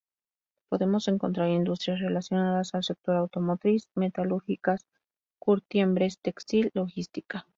Podemos encontrar industrias relacionadas al sector automotriz, metalúrgicas, curtiembres, textil, logística.